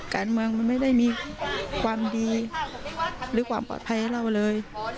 การเมืองมันไม่ได้มีความดีหรือความปลอดภัยให้เราเลย